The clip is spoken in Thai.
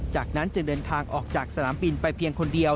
จากนั้นจึงเดินทางออกจากสนามบินไปเพียงคนเดียว